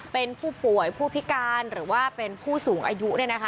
เป็นผู้ป่วยผู้พิการหรือว่าเป็นผู้สูงอายุ